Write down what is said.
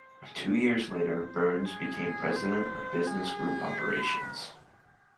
Two years later, Burns became president of business group operations.